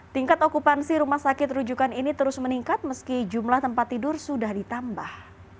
tingkat okupansi rumah sakit rujukan ini terus meningkat meski jumlah tempat tidur sudah ditambah